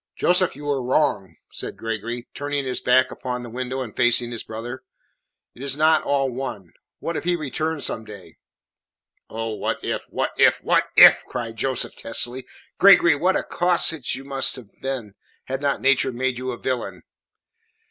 "Joseph, you are wrong," said Gregory, turning his back upon the window and facing his brother. "It is not all one. What if he return some day?" "Oh, what if what if what if!" cried Joseph testily. "Gregory, what a casuist you might have been had not nature made you a villain!